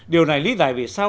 điều này lý giải vì sao